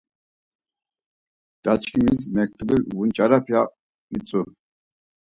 Daçkimis mektubi vunç̌aram ya mitzu.